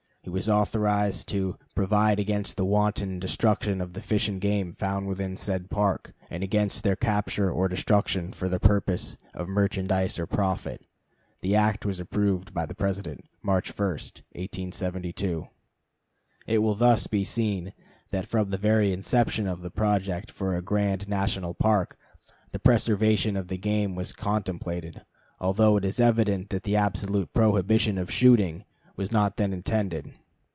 He was authorized to "provide against the wanton destruction of the fish and game found within said Park, and against their capture or destruction for the purpose of merchandise or profit." The act was approved by the President March 1, 1872. It will thus be seen that from the very inception of the project for a grand National Park, the preservation of the game was contemplated, although it is evident that absolute prohibition of shooting was not then intended.